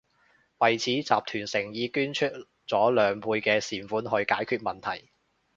為此，集團誠意捐出咗兩倍嘅善款去解決問題